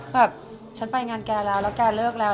แบบฉันไปงานแกแล้วแล้วแกเลิกแล้ว